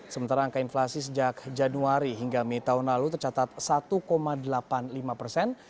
sementara angka inflasi sejak januari hingga mei tahun lalu tercatat satu delapan puluh lima persen